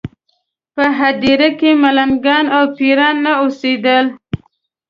په هدیره کې ملنګان او پېران نه اوسېدل.